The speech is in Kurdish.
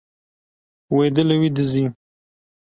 Wê dilê wî dizî.